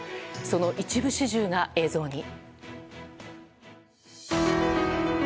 その一部始終が映像に。